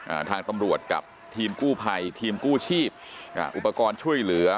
อ่าทางตำรวจกับทีมกู้ภัยทีมกู้ชีพอ่าอุปกรณ์ช่วยเหลือ